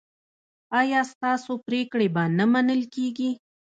ایا ستاسو پریکړې به نه منل کیږي؟